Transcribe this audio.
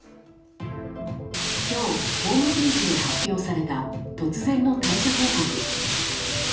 今日、ホームページで発表された突然の退社報告。